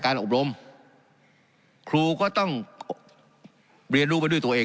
การปรับปรุงทางพื้นฐานสนามบิน